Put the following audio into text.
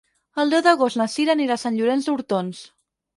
El deu d'agost na Cira anirà a Sant Llorenç d'Hortons.